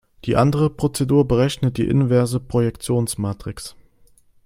Die andere Prozedur berechnet die inverse Projektionsmatrix.